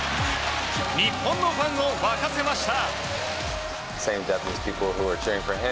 日本のファンを沸かせました。